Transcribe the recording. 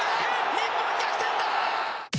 日本、逆転だ！